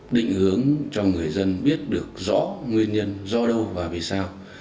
định hướng cho người dân biết được rõ nguyên nhân do đâu và vì sao